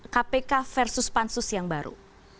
kpk versus pansus yang baru